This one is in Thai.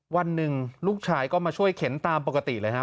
วันหนึ่งลูกชายก็มาช่วยเข็นตามปกติเลยครับ